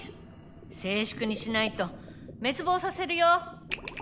静粛にしないと滅亡させるよ。